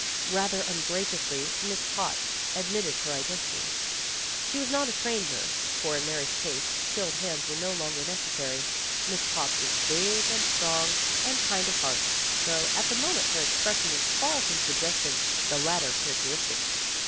Rather ungraciously Miss Potts admitted her identity. She was not a trained nurse, for in Mary 's case skilled hands were no longer neces A TELEPHONE PARTY 27 sary. Miss Potts was big and strong and kind of heart, though at the moment her expression was far from suggesting the latter character istic.